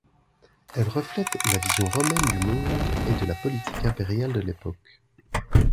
Elle reflète la vision romaine du monde et de la politique impériale de l'époque.